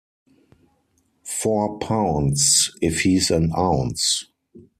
Four pounds if he’s an ounce.